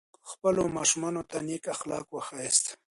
خپلو ماشومانو ته نیک اخلاق وښایاست.